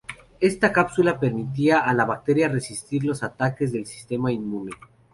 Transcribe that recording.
Esta cápsula permitía a la bacteria resistir los ataques del sistema inmune.